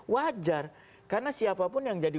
wajar karena siapapun yang jadi